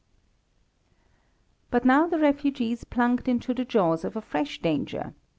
But now the refugees plunged into the jaws of a fresh danger.